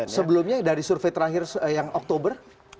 sebelumnya dari survei terakhir yang oktober cukup jauh